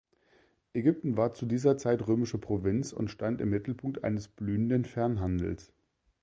Ägypten war zu dieser Zeit römische Provinz und stand im Mittelpunkt eines blühenden Fernhandels.